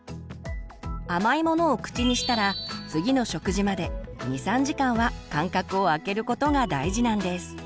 甘いものを口にしたら次の食事まで２３時間は間隔をあけることが大事なんです。